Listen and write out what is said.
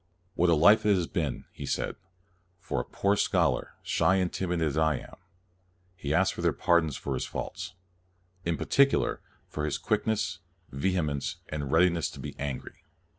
" What a life it has been,' 1 he said, " for a poor scholar, shy and timid as I am.'' He asked their pardon for his faults, " in particular for his quickness, vehemence, and readiness to be angry."